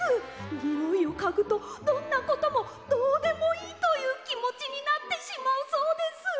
においをかぐとどんなこともどうでもいいというきもちになってしまうそうです！